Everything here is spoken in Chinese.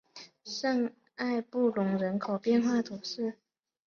圣埃尔布隆人口变化图示